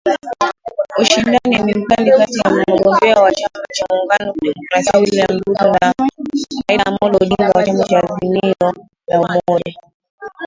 Ushindani ni mkali kati ya mgombea wa chama cha muungano wa kidemokrasia William Ruto na Raila Amollo Odinga wa chama cha Azimio la Umoja